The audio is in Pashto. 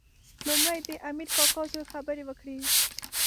لومړی د امیر کاکا زوی خبرې وکړې.